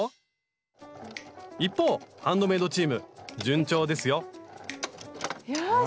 一方ハンドメイドチーム順調ですよよし！